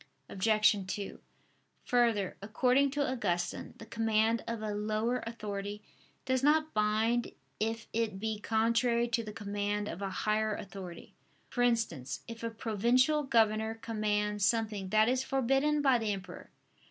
Obj. 2: Further, according to Augustine, the command of a lower authority does not bind if it be contrary to the command of a higher authority: for instance, if a provincial governor command something that is forbidden by the emperor.